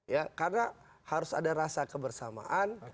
ya karena harus ada rasa kebersamaan